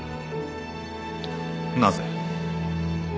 なぜ？